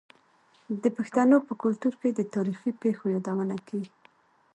د پښتنو په کلتور کې د تاریخي پیښو یادونه کیږي.